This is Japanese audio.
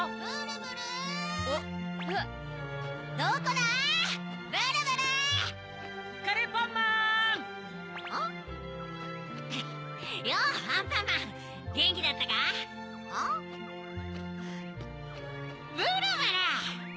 ブルブル！